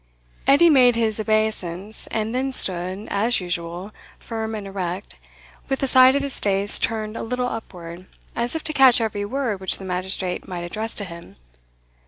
Edie made his obeisance, and then stood, as usual, firm and erect, with the side of his face turned a little upward, as if to catch every word which the magistrate might address to him.